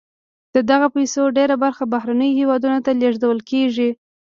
د دغه پیسو ډیره برخه بهرنیو هېوادونو ته لیږدول کیږي.